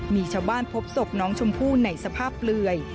มีชาวบ้านพบสดน้องชมผู้ในสภาพเผลย